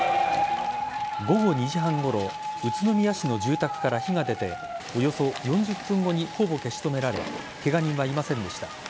午後２時半ごろ宇都宮市の住宅から火が出ておよそ４０分後にほぼ消し止められケガ人はいませんでした。